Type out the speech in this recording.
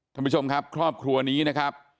ท่านผู้ชมครับครอบครัวนี้นะครับ